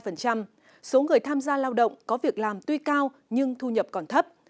ở nước ta mới đạt hai mươi bốn hai số người tham gia lao động có việc làm tuy cao nhưng thu nhập còn thấp